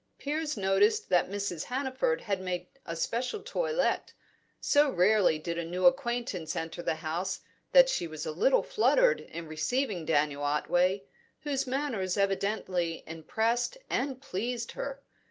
Piers noticed that Mrs. Hannaford had made a special toilet; so rarely did a new acquaintance enter the house that she was a little fluttered in receiving Daniel Otway, whose manners evidently impressed and pleased her.